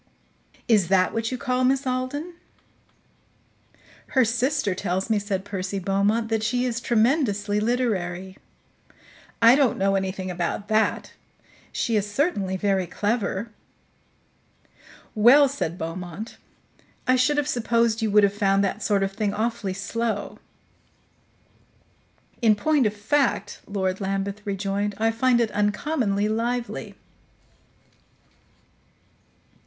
"Is that what you call Miss Alden?" "Her sister tells me," said Percy Beaumont, "that she is tremendously literary." "I don't know anything about that. She is certainly very clever." "Well," said Beaumont, "I should have supposed you would have found that sort of thing awfully slow." "In point of fact," Lord Lambeth rejoined, "I find it uncommonly lively."